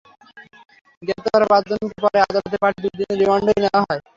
গ্রেপ্তার করা পাঁচজনকে পরে আদালতে পাঠিয়ে দুই দিনের রিমান্ডে নেওয়া হয়।